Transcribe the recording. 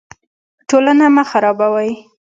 ټولنه مه خرابوئ